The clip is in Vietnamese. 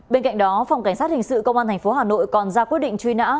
bên cạnh đó phòng cảnh sát hình sự công an tp hà nội còn ra quyết định truy nã